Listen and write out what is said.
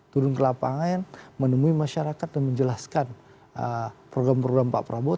turun ke lapangan menemui masyarakat dan menjelaskan program program pak prabowo